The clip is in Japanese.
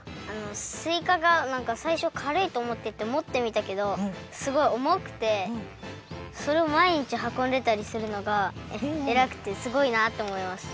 すいかがさいしょかるいとおもっててもってみたけどすごいおもくてそれをまいにちはこんでたりするのがえらくてすごいなとおもいました。